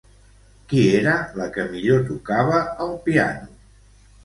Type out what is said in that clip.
Qui era la que millor tocava el piano?